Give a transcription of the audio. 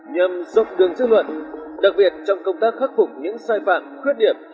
nhằm dọc đường chức luận đặc viện trong công tác khắc phục những sai phạm khuyết điểm